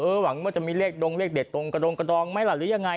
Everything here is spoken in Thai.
หวังว่าจะมีเลขดงเลขเด็ดตรงกระดงกระดองไหมล่ะหรือยังไง